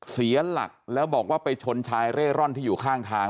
เสียหลักแล้วบอกว่าไปชนชายเร่ร่อนที่อยู่ข้างทาง